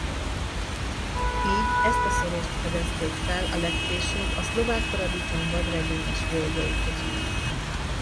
Így ezt a szoros fedezték fel a legkésőbb a Szlovák Paradicsom vadregényes völgyei közül.